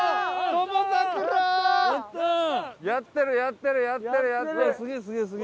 やってるやってるやってるやってる！